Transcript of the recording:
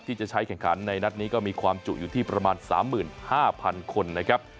ที่จะใช้แข่งขันในนัดนี้ก็มีความจุอยู่ที่ประมาณสามหมื่นห้าพันคนนะครับ